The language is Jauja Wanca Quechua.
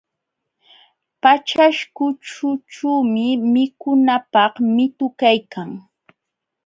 Paćhaśhkućhućhuumi mikunapaq mitu kaykan.